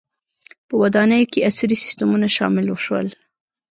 • په ودانیو کې عصري سیستمونه شامل شول.